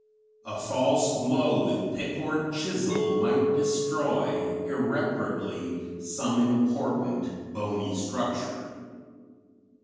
A false blow with pick or chisel might destroy irreparably some important bony structure.